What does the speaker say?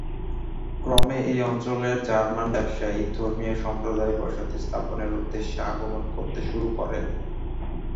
ক্রমে এই অঞ্চলে জার্মান ব্যবসায়ী, ধর্মীয় সম্প্রদায় বসতি স্থাপনের উদ্দেশ্যে আগমন করতে শুরু করে।